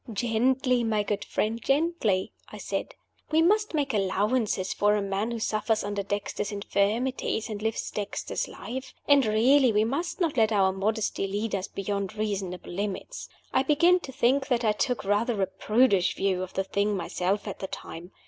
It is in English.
"Gently, my good friend, gently," I said. "We must make allowances for a man who suffers under Dexter's infirmities, and lives Dexter's life. And really we must not let our modesty lead us beyond reasonable limits. I begin to think that I took rather a prudish view of the thing myself at the time.